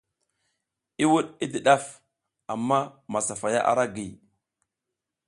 I wuɗ i di ɗaf, amma masafaya ara giy.